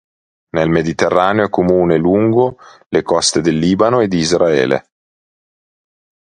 Nel Mediterraneo è comune lungo le coste del Libano e di Israele.